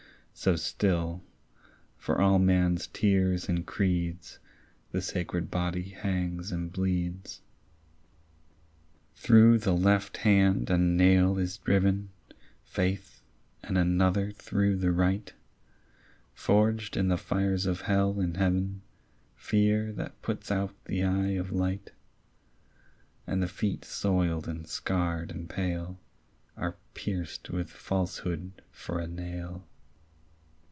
So still, for all man's tears and creeds, The sacred body hangs and bleeds. Through the left hand a nail is driven, Faith, and another through the right, Forged in the fires of hell and heaven, Fear that puts out the eye of light: And the feet soiled and scarred and pale Are pierced with falsehood for a nail.